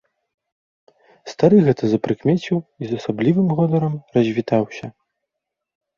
Стары гэта запрыкмеціў і з асаблівым гонарам развітаўся.